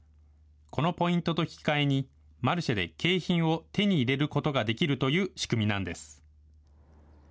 このポイントと引き換えに、マルシェで景品を手に入れることができるという仕組みなんです。